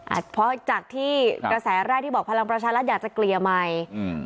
เพราะจากที่กระแสแรกที่บอกพลังประชารัฐอยากจะเกลี่ยใหม่อืม